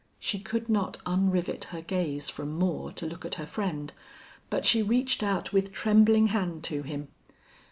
She could not unrivet her gaze from Moore to look at her friend, but she reached out with trembling hand to him.